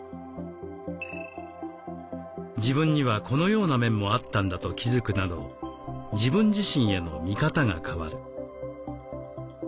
自分にはこのような面もあったんだと気付くなど自分自身への見方が変わる。